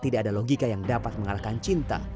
tidak ada logika yang dapat mengalahkan cinta